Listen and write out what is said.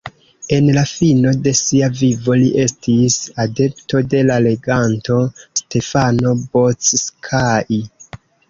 En la fino de sia vivo li estis adepto de la reganto Stefano Bocskai.